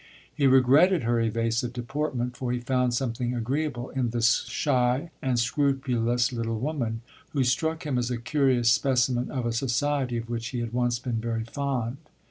He regretted her evasive deportment, for he found something agreeable in this shy and scrupulous little woman, who struck him as a curious specimen of a society of which he had once been very fond.